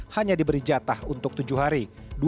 hanya diberi jatah untuk tujuh hari